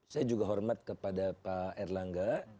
saya juga hormat kepada pak erlangga